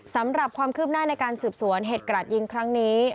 สำหรับความคืบหน้าในการสืบสวนเหตุกราดยิงครั้งนี้